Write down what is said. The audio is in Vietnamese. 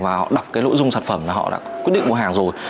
và họ đọc cái nội dung sản phẩm là họ đã quyết định mua hàng rồi